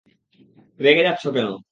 রেগে যাচ্ছ কেন?